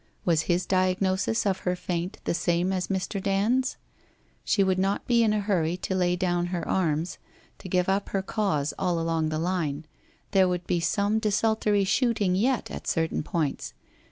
Was his diagnosis of her faint the same as Mr. Dand's ? She would not be in a hurry to lay down her arms, to give up her cause all along the line. There would be some desultory shooting yet at certain points.